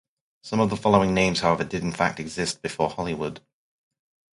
Some of the following names, however, did in fact exist before Hollywood.